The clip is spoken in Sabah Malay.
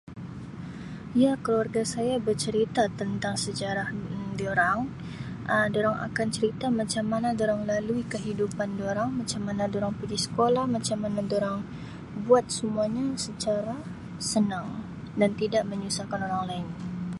Ya, keluarga saya bercerita tentang Um durang, Um durang akan cerita macam mana durang lalui kehidupan durang, macam mana durang pegi sekolah, macam mana durang buat semua ni secara senang dan tidak menyusahkan orang lain.